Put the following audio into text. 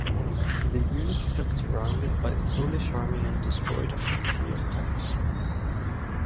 The units got surrounded by the Polish army and destroyed after three attacks.